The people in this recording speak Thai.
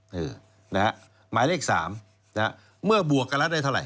หมายเลข๓นะฮะเมื่อบวกกันแล้วได้เท่าไห